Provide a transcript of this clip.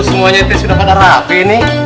semuanya itu sudah pada rapi nih